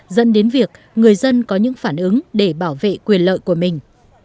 dẫn đến việc người dân có những phản ứng để bảo vệ quyền lợi của mình